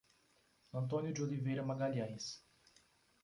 Antônio de Oliveira Magalhaes